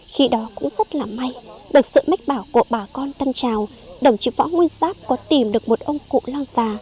khi đó cũng rất là may bởi sự mách bảo của bà con tân trào đồng chí võ nguyên giáp có tìm được một ông cụ lang giả